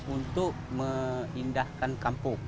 untuk mengindahkan kampung